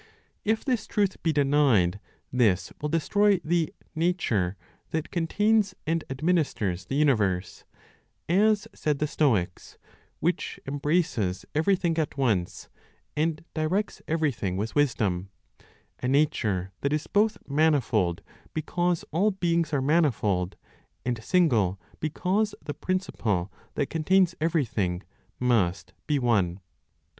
If this truth be denied, this will destroy the "nature that contains and administers the universe" (as said the Stoics); which embraces everything at once, and directs everything with wisdom; a nature that is both manifold, because all beings are manifold; and single, because the principle that contains everything must be one.